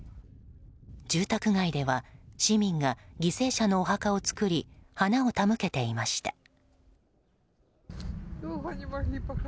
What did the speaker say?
住宅街では市民が犠牲者のお墓を作り花を手向けていました。